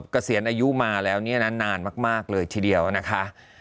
เกษียณอายุมาแล้วเนี่ยนะนานมากเลยทีเดียวนะคะ